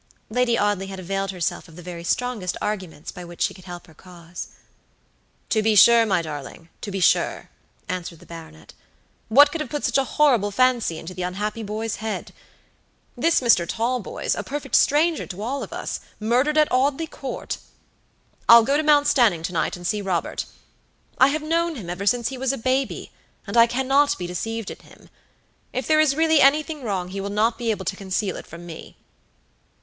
Lady Audley had availed herself of the very strongest arguments by which she could help her cause. "To be sure, my darling, to be sure," answered the baronet. "What could have put such a horrible fancy into the unhappy boy's head. This Mr. Talboysa perfect stranger to all of usmurdered at Audley Court! I'll go to Mount Stanning to night, and see Robert. I have known him ever since he was a baby, and I cannot be deceived in him. If there is really anything wrong, he will not be able to conceal it from me."